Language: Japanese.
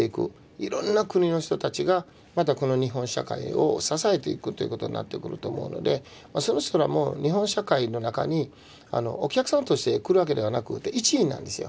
いろんな国の人たちがまたこの日本社会を支えていくということになってくると思うのでそれすらも日本社会の中にお客さんとして来るわけではなくて一員なんですよ。